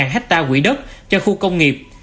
hai hectare quỹ đất cho khu công nghiệp